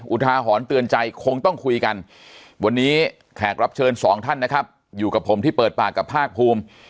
อุทาหรณ์เตือนใจคงต้องคุยกันวันนี้แขกรับเชิญสองท่านนะครับอยู่กับผมที่เปิดปากกับภาคภูมิ